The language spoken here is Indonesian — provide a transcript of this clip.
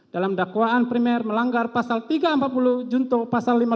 dalam dakwaan primer melanggar pasal tiga ratus empat puluh junto pasal lima puluh